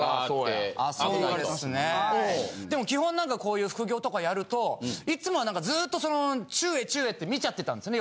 でも基本何かこういう副業とかやるといつもは何かずっとちゅうえいちゅうえいって見ちゃってたんですね